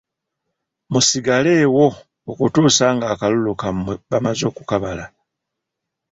Musigaleewo okutuusa ng'akalulu kammwe bamaze okukabala.